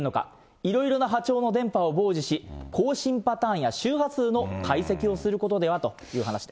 いろいろな波長の電波を傍受し、交信パターンや周波数の解析をすることではという話です。